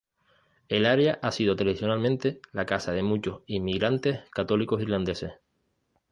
El área ha sido tradicionalmente la casa de muchos inmigrantes católicos irlandeses.